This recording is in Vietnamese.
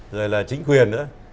rồi là chính quyền nữa